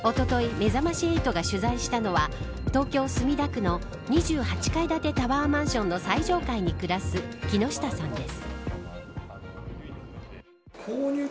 めざまし８が取材したのは東京、墨田区の２８階建てタワーマンションの最上階に暮らす木下さんです。